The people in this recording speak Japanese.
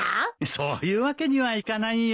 そういうわけにはいかないよ。